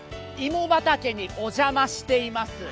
芋畑にお邪魔しています。